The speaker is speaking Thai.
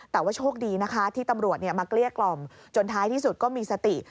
แต่ว่าโชคดีนะคะที่ตำรวจมาเกลี้ยกล่อมจนท้ายที่สุดก็มีสติ